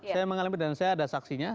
saya mengalami dan saya ada saksinya